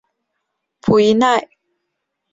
普伊奈。